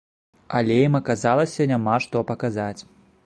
Але ім аказалася няма што паказаць.